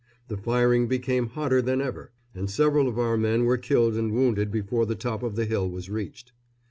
The firing became hotter than ever, and several of our men were killed and wounded before the top of the hill was reached.